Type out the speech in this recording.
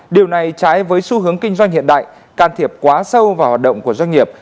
điều này trái với xu hướng kinh doanh hiện đại can thiệp quá sâu vào hoạt động của doanh nghiệp